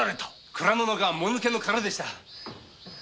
蔵の中はもぬけの殻でした。